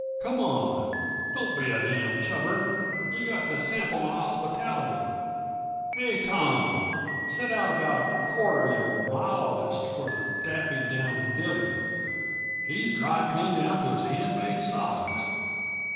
Come on don't be a damn' chubber! Yuh got to sample m' hospitality. Hey, Tom! set out about a quart uh your mildest for Daffy down Dilly. He's dry, clean down to his hand made socks."